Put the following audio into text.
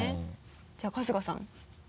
じゃあ春日さん。